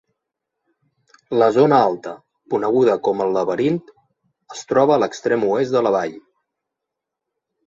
La zona alta, coneguda com el Laberint, es troba a l'extrem oest de la vall.